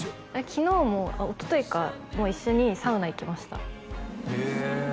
昨日もおとといかも一緒にサウナ行きましたへえ